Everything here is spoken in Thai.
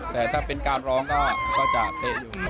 แต่ถ้าเป็นการร้องก็จะเป๊ะอยู่